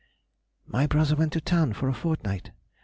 _—My brother went to town for a fortnight.